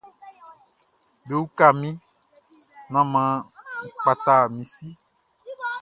Bewuka mi, nan man kpata mi si.